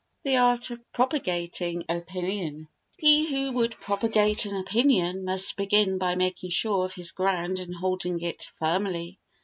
The Art of Propagating Opinion He who would propagate an opinion must begin by making sure of his ground and holding it firmly.